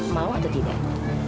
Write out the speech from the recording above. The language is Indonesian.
mau atau tidak